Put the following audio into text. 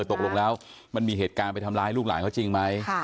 ตกลงแล้วมันมีเหตุการณ์ไปทำร้ายลูกหลานเขาจริงไหม